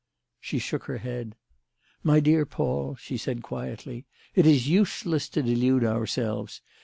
She shook her head. "My dear Paul," she said quietly, "it is useless to delude ourselves.